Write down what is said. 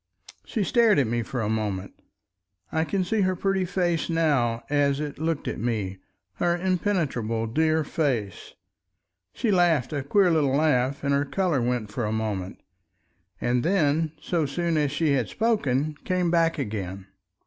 She stared at me for a moment. I can see her pretty face now as it looked at me—her impenetrable dear face. She laughed a queer little laugh and her color went for a moment, and then so soon as she had spoken, came back again.